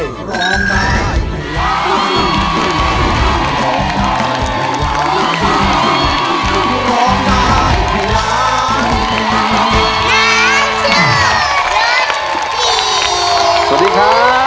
ร้องไกลผิดได้มาร้องได้แรงการร้องไกลผิดได้มา